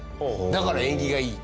だから縁起がいい。